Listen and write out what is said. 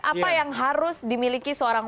apa yang harus dimiliki seorang